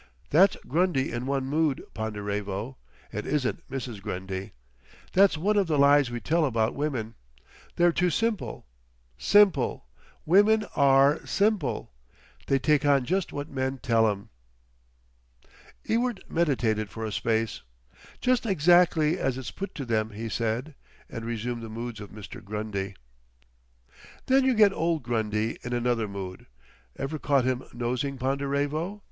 "That's Grundy in one mood, Ponderevo. It isn't Mrs. Grundy. That's one of the lies we tell about women. They're too simple. Simple! Woman ARE simple! They take on just what men tell 'em." Ewart meditated for a space. "Just exactly as it's put to them," he said, and resumed the moods of Mr. Grundy. "Then you get old Grundy in another mood. Ever caught him nosing, Ponderevo?